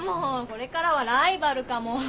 これからはライバルかも。